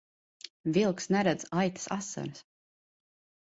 Vilks neredz aitas asaras.